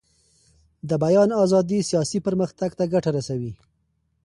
د بیان ازادي سیاسي پرمختګ ته ګټه رسوي